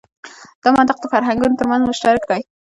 دا منطق د فرهنګونو تر منځ مشترک دی.